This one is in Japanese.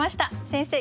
先生